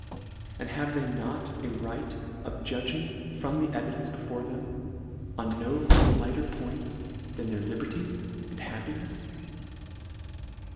and have they not a right of judging from the evidence before them, on no (lighter points than their liber ty and happinefs